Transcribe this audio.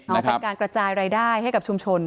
เอาเป็นการกระจายรายได้ให้กับชุมชน